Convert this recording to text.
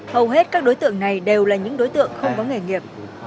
hầu hết các đối tượng này đều là những đối tượng không có nghề nghiệp